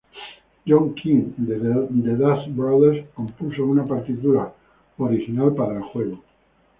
John King de The Dust Brothers compuso una partitura original para el juego de.